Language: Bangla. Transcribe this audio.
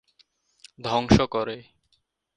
ধ্বংস করে।